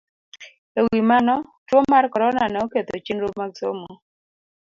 E wi mano, tuwo mar Corona ne oketho chenro mag somo